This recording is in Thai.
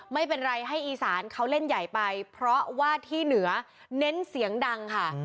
ไม่เป็นไรให้อีสานเขาเล่นใหญ่ไปเพราะว่าที่เหนือเน้นเสียงดังค่ะ